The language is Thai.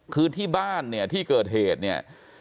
คือที่บ้านเนี่ยที่เกิดเหตุเนี่ย